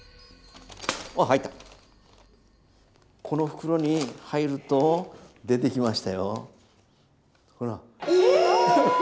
この袋に入ると出てきましたよ。